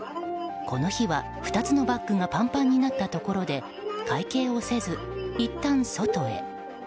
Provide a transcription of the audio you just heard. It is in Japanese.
この日は２つのバッグがパンパンになったところで会計をせず、いったん外へ。